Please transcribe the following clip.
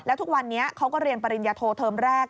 แล้วทุกวันนี้เขาก็เรียนปริญญาโทเทอมแรก